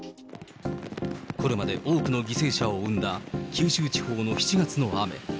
これまで多くの犠牲者を生んだ九州地方の７月の雨。